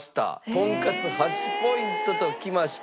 とんかつ８ポイントときました。